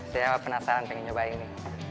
saya penasaran pengen coba ini